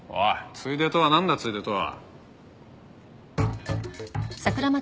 「ついで」とはなんだ「ついで」とは。